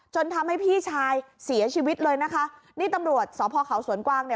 จนทำให้พี่ชายเสียชีวิตเลยนะคะนี่ตำรวจสพเขาสวนกวางเนี่ย